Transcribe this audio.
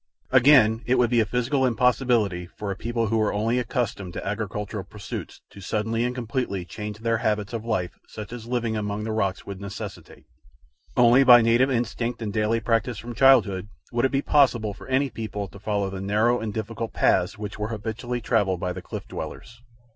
Again, it would be a physical impossibility for a people who were only accustomed to agricultural pursuits to suddenly and completely change their habits of life such as living among the rocks would necessitate. Only by native instinct and daily practice from childhood would it be possible for any people to follow the narrow and difficult paths which were habitually traveled by the cliff dwellers.